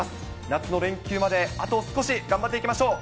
夏の連休まであと少し、頑張っていきましょう。